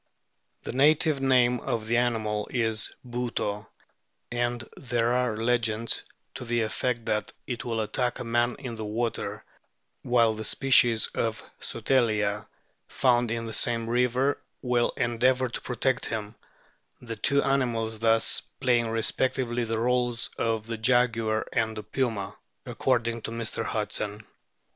The native name of the animal is " Bouto," and there are legends to the effect that it will attack a man in the water, while the species of Sotalia found in the same river will endeavour to protect him, the two animals thus playing respectively the roles of the Jaguar and the Puma, according to Mr. Hudson.